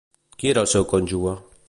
Qui era el seu cònjuge?